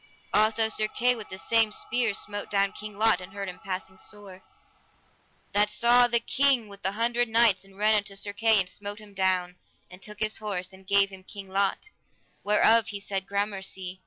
Also Sir Kay with the same spear smote down King Lot, and hurt him passing sore. That saw the King with the Hundred Knights, and ran unto Sir Kay and smote him down, and took his horse, and gave him King Lot, whereof he said gramercy.